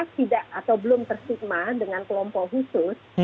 tidak atau belum tersigma dengan kelompok khusus